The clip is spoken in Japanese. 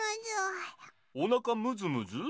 おなかむずむず？